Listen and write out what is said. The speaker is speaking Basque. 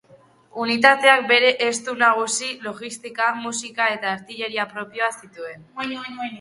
Unitateak bere estatu-nagusi, logistika, musika eta artilleria propioa zituen.